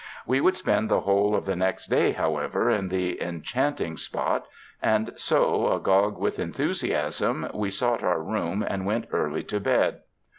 We would spend the whole of the next day, however, in the enchanting spot, and so, agog with enthusiasm, we sought our room and went early to bed.